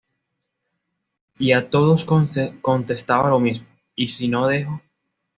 Y a todos contestaba lo mismo: "¿Y si no dejo?".